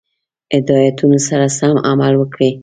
هدایتونو سره سم عمل وکړي.